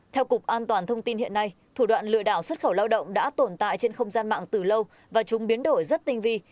theo cục an toàn thông tin hiện nay thủ đoạn lừa đảo xuất khẩu lao động đã tồn tại trên không gian mạng từ lâu và chúng biến đổi rất tinh vi